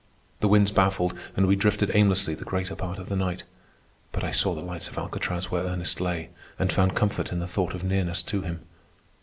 The winds baffled, and we drifted aimlessly the greater part of the night. But I saw the lights of Alcatraz where Ernest lay, and found comfort in the thought of nearness to him.